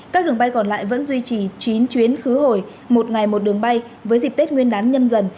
các đường bay còn lại vẫn duy trì chín chuyến khứ hồi một ngày một đường bay với dịp tết nguyên đán nhâm dần